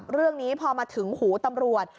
เรื่องนี้พอมาถึงหูตำรวจ